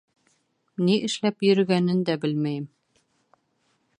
Ни эшләп йөрөгәнен дә белмәйем.